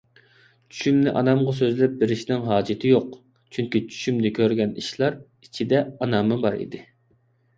چۈشۈمنى ئانامغا سۆزلەپ بېرىشنىڭ ھاجىتى يوق، چۈنكى چۈشۈمدە كۆرگەن ئىشلار ئىچىدە ئاناممۇ بار ئىدى.